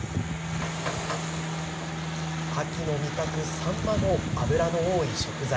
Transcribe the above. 秋の味覚、サンマも脂の多い食材。